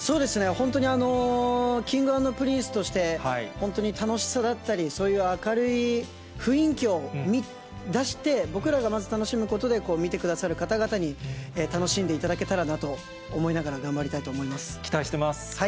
本当に、Ｋｉｎｇ＆Ｐｒｉｎｃｅとして、本当に楽しさだったり、そういう明るい雰囲気を出して、僕らがまず楽しむことで、見てくださる方々に楽しんでいただけたらなと思いながら頑張りた期待してます。